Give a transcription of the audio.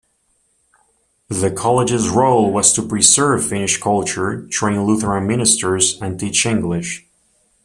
The college's role was to preserve Finnish culture, train Lutheran ministers and teach English.